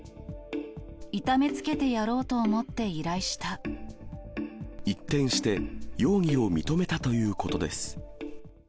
痛めつけてやろうと思って依一転して、容疑を認めたということです。